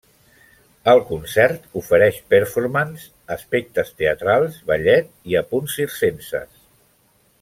El concert ofereix performance, aspectes teatrals, ballet i apunts circenses.